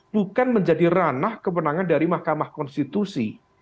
bukan menjadi ranah kewenangan dari mahkamah konstitusi